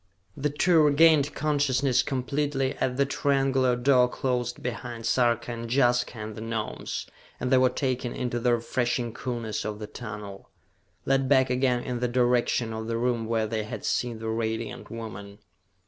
The two regained consciousness completely as the triangular door closed behind Sarka and Jaska and the Gnomes, and they were taken into the refreshing coolness of the tunnel, led back again in the direction of the room where they had seen the Radiant Woman.